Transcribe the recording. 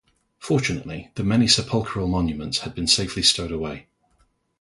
Fortunately the many sepulchral monuments had been safely stowed away.